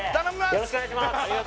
よろしくお願いします